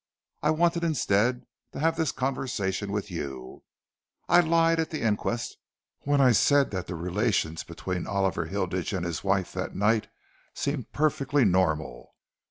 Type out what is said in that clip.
I wanted instead to have this conversation with you. I lied at the inquest when I said that the relations between Oliver Hilditch and his wife that night seemed perfectly normal.